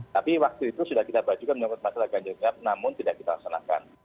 tapi waktu itu sudah kita bajukan menyebut masalah ganjil genap namun tidak kita laksanakan